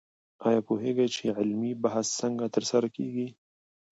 آیا پوهېږئ چې علمي بحث څنګه ترسره کېږي؟